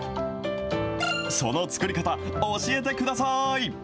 その作り方、教えてください。